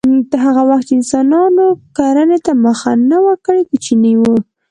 هغه وخت چې انسانانو کرنې ته مخه نه وه کړې کوچني وو